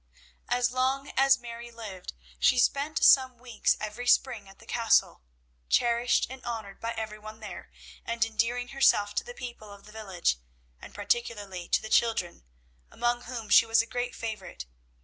As long as Mary lived she spent some weeks every spring at the Castle, cherished and honoured by every one there, and endearing herself to the people of the village, and particularly to the children, among whom she was a great favourite.